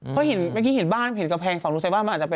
เพราะเห็นเมื่อกี้เห็นบ้านเห็นกำแพงฝั่งตรงใส่บ้านมันอาจจะเป็น